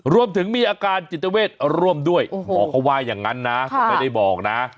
รวมถึงมีอาการจิตเวทร่วมด้วยหมอเขาว่าอย่างนั้นนะผมไม่ได้บอกนะ